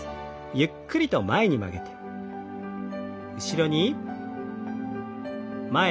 ゆっくりと前に曲げて後ろに。